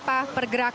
nah berkata juga